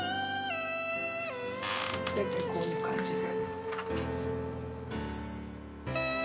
大体こういう感じで。